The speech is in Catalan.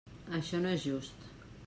Això no és just.